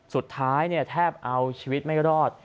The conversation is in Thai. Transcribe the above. สุดท้ายแทบเอาชีวิตไม่รอด